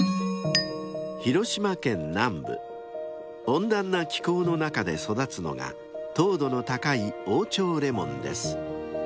温暖な気候の中で育つのが糖度の高い大長レモンです］